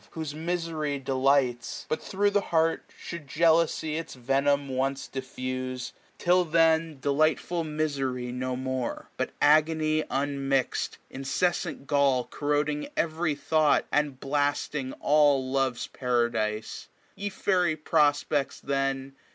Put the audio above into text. Whose misery delights. But thro* the l^eart Should jealousy its venom once diffuse, 'Tis then delightful mis^ no more ; But agony unmixM, incessant gall, 2075 Corroding every thought, and blasting all Lovers paradise. Ye fairy prospects, then.